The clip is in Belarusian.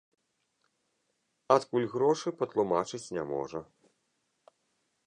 Адкуль грошы, патлумачыць не можа.